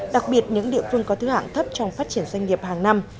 đặc biệt những địa phương có thứ hạng thấp trong phát triển doanh nghiệp hàng năm